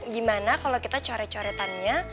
gimana kalau kita coret coretannya